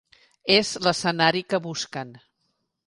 És l'escenari que busquen.